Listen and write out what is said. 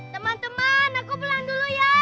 teman teman aku pulang dulu ya